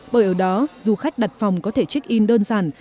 bởi ở đó du khách đặt phòng có thể check in đơn giản